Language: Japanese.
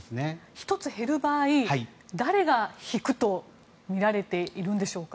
１つ減る場合誰が引くとみられているんでしょうか。